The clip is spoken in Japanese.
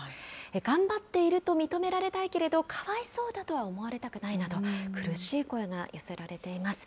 頑張っていると認められたいけれど、かわいそうだとは思われたくないなど苦しい声が寄せられています。